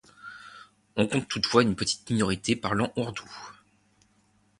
On compte toutefois une petite minorité parlant ourdou.